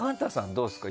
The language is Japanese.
どうですか？